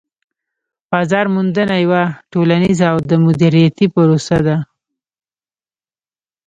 بازار موندنه یوه ټولنيزه او دمدریتی پروسه ده